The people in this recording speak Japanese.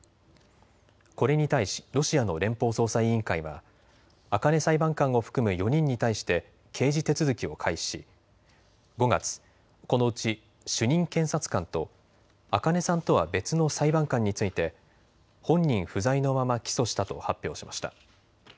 これに対しロシアの連邦捜査委員会は赤根裁判官を含む４人に対して刑事手続きを開始し５月、このうち主任検察官と赤根さんとは別の裁判官について本人不在のまま起訴したと発表しました。